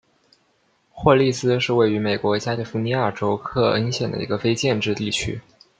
霍利斯是位于美国加利福尼亚州克恩县的一个非建制地区。